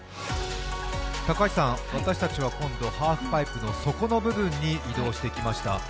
高橋さん、私たちは今度ハーフパイプの底の部分に移動してきました。